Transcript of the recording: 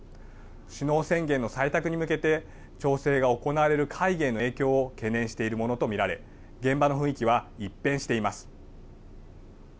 首脳宣言の採択に向けて調整が行われる会議への影響を懸念しているものと見られ現場の雰囲気は一変しています。